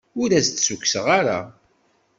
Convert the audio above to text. Ur as-d-ssukkseɣ ara.